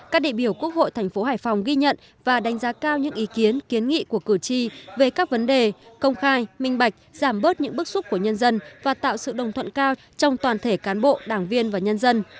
các đại biểu quốc hội thành phố hải phòng ghi nhận và đánh giá cao những ý kiến kiến nghị của cử tri về các vấn đề công khai minh bạch giảm bớt những bức xúc của nhân dân và tạo sự đồng thuận cao trong toàn thể cán bộ đảng viên và nhân dân